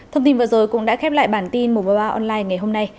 thông tin vừa rồi cũng đã khép lại bản tin một trăm ba mươi ba online ngày hôm nay